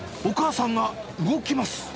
お母さんが動きます。